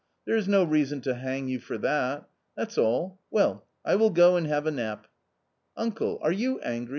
There is no reason to hang you for that That's all. Well, I will go and have a nap." " Uncle ! are you angry